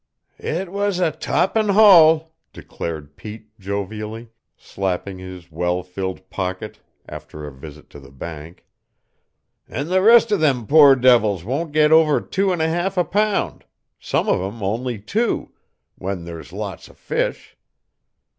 "It was a toppin' haul," declared Pete jovially, slapping his well filled pocket after a visit to the bank, "an' the rest of them poor devils won't get over two and a half a pound some of 'em only two, when there's lots of fish.